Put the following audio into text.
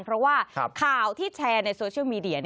เพราะว่าข่าวที่แชร์ในโซเชียลมีเดีย